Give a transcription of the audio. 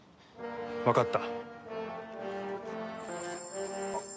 わかった。